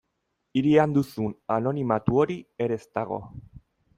Hirian duzun anonimatu hori ere ez dago.